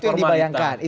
itu yang dibayangkan